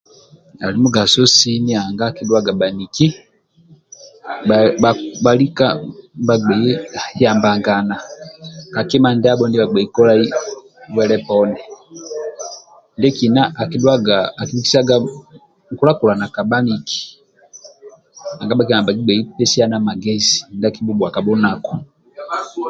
Ali mugaso si nanga adhuwaga bhaniki bhalika nibha bgei yambangana kakima ndyabho ndibghei kolai bwelel poni ndyekina akibhikisaga nkulakulana ka bhaniki nanga bhakilikaga nibha kipesyana magezi ndya ki bhubhuwa ka bhunaku